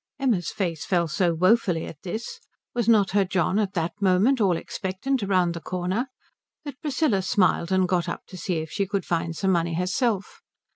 Emma's face fell so woefully at this was not her John at that moment all expectant round the corner? that Priscilla smiled and got up to see if she could find some money herself.